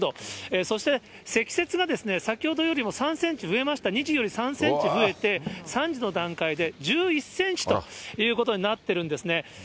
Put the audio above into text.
そして積雪が、先ほどよりも３センチ増えました、２時より３センチ増えて、３時の段階で１１センチということになってるんですね。